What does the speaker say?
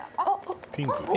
「あっ！」